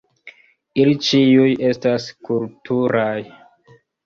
Ili ĉiuj estas kulturaj.